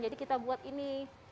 jadi kita buat ini dulu ya pak